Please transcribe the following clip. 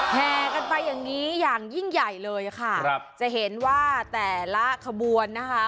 แห่กันไปอย่างนี้อย่างยิ่งใหญ่เลยค่ะครับจะเห็นว่าแต่ละขบวนนะคะ